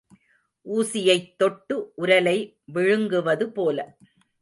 ஊசியைத் தொட்டு உரலை விழுங்குவது போல.